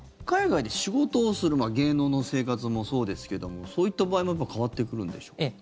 海外で仕事をする芸能の生活もそうですけどもそういった場合も変わってくるんでしょうか？